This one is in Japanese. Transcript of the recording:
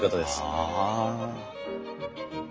ああ。